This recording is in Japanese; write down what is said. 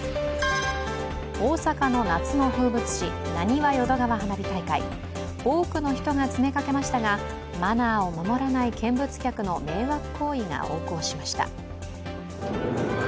大阪の夏の風物詩、なにわ淀川花火大会、多くの人が詰めかけましたが、マナーを守らない見物客の迷惑行為が横行しました。